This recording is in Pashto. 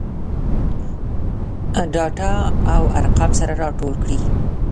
ډاټا او ارقام سره راټول کړي.